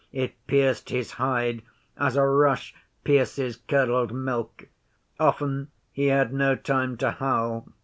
It pierced his hide as a rush pierces curdled milk. Often he had no time to howl.